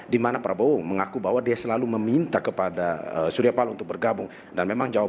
dimana prabowo mengaku bahwa dia selalu meminta kepada suryapalo untuk bergabung